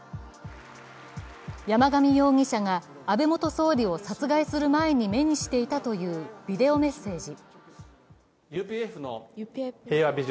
山上容疑者が安倍元総理を殺害する前に目にしていたというビデオメッセージ。